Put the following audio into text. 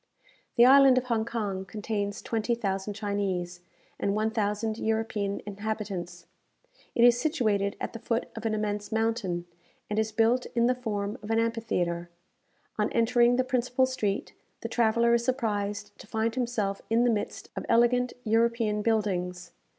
The island of Hong Kong contains twenty thousand Chinese, and one thousand European inhabitants. It is situated at the foot of an immense mountain, and is built in the form of an amphitheatre. On entering the principal street, the traveller is surprised to find himself in the midst of elegant European buildings.